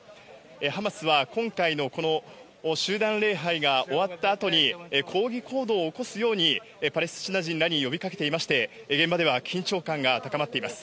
ハマスは今回のこの集団礼拝が終わったあとに、抗議行動を起こすようにパレスチナ人らに呼びかけていまして、現場では緊張感が高まっています。